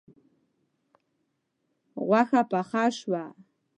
غوښه پخه شوه